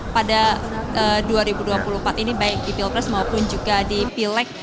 pada dua ribu dua puluh empat ini baik di pilpres maupun juga di pileg